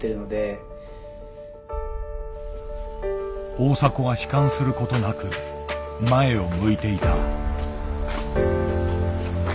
大迫は悲観することなく前を向いていた。